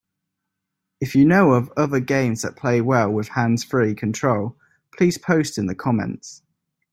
If you know of other games that play well with hands-free control, please post in the comments.